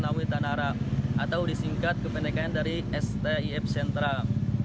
atau disingkat kependekan dari stif sentral